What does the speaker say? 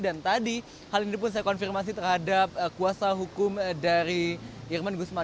dan tadi hal ini pun saya konfirmasi terhadap kuasa hukum dari irman gusman